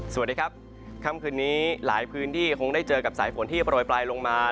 สวัสดีครับค่ำคืนนี้หลายพื้นที่คงได้เจอกับสายฝนที่โปรยปลายลงมา